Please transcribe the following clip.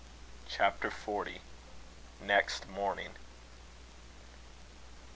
CHAPTER XXV. NEXT MORNING.